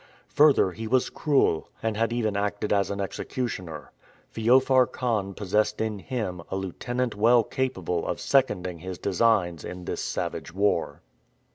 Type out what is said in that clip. Further, he was cruel, and had even acted as an executioner. Feofar Khan possessed in him a lieutenant well capable of seconding his designs in this savage war.